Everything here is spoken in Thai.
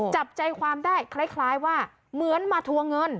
จับใจความได้คล้ายว่าเหมือนมาทัวร์เงิน